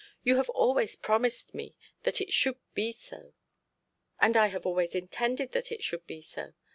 You have always promised me that it should be so.' 'And I have always intended that it should be so.